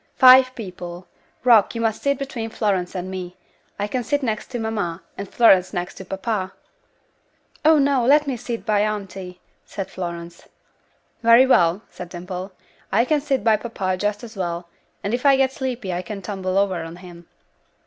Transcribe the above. "Five people. Rock, you must sit between Florence and me. I can sit next to mamma, and Florence next to papa." "Oh, no; let me sit by auntie," said Florence. "Very well," said Dimple. "I can sit by papa just as well, and if I get sleepy I can tumble over on him."